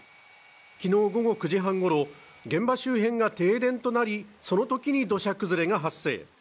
昨日午後９時半ごろ、現場周辺が停電となり、そのときに土砂崩れが発生。